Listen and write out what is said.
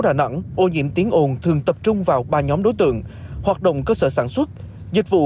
đà nẵng ô nhiễm tiếng ồn thường tập trung vào ba nhóm đối tượng hoạt động cơ sở sản xuất dịch vụ